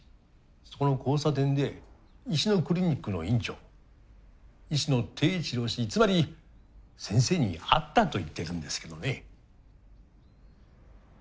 そこの交差点で石野クリニックの院長石野貞一郎氏つまり先生に会ったと言ってるんですけどね。